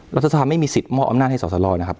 รัฐสภาไม่มีสิทธิ์มอบอำนาจให้สอสรนะครับ